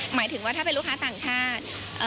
หมายถึงว่าถ้าเป็นลูกค้าต่างชาติ